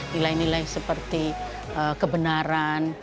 nilai nilai seperti kebenaran